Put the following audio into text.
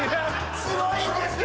すごいですよ！